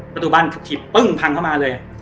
ประตูบันถูกหยิบปึ้งพังเข้ามาเลย